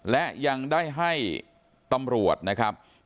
และยังได้ให้ตำรวจนะครับ